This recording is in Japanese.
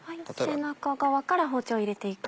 背中側から包丁を入れて行く。